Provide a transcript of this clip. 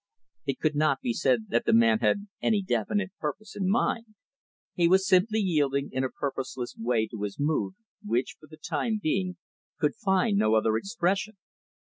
It could not be said that the man had any definite purpose in mind. He was simply yielding in a purposeless way to his mood, which, for the time being, could find no other expression.